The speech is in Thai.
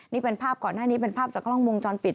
นี่เป็นภาพก่อนหน้านี้เป็นภาพจากกล้องวงจรปิด